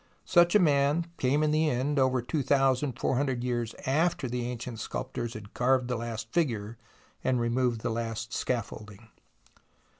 Such a man came in the end, over two thousand four hundred years after the ancient sculptors had carved the last figure and removed the last scaffolding.